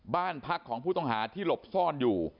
บ้านพักของผู้ต้องหาที่หลบซ่อนอยู่